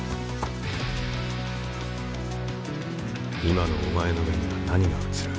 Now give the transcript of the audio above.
今のお前の目には何が映る？